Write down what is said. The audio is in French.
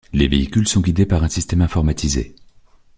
Les véhicules sont guidés par un système informatisé.